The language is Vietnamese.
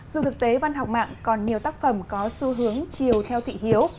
dù thực tế văn học mạng còn nhiều tác phẩm có xu hướng chiều theo thị hiếu